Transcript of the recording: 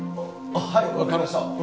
はいわかりました。